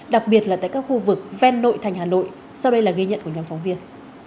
đặc biệt là tại các khu vực ven nội thành hà nội sau đây là ghi nhận của nhóm phóng viên